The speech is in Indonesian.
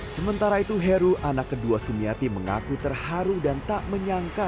sementara itu heru anak kedua sumiati mengaku terharu dan tak menyangka